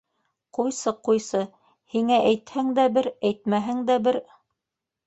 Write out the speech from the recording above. Ҡуйсы, ҡуйсы, һиңә әйтһәң дә бер, әйтмәһәң дә бер.